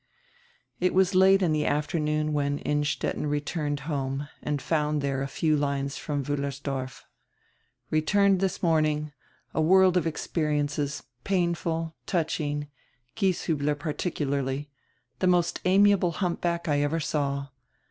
It was late in the afternoon when Innstetten returned home and found there a few lines from Wiillersdorf. "Re turned this morning. A world of experiences — painful, touching — Gieshiibler particularly. The most amiable humpback I ever saw.